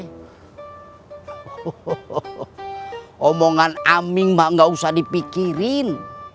hohoho omongan aming mah gak usah dipikirin